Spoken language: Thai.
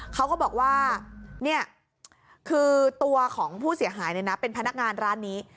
เขาก็บอกว่าเนี่ยคือตัวของผู้เสียหายเนี่ยนะเป็นพนักงานร้านนี้